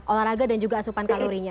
olahraga dan juga asupan kalorinya